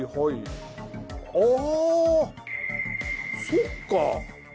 そっか。